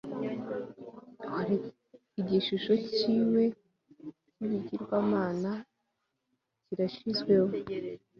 Igishusho ciwe cibigirwamana kirashizweho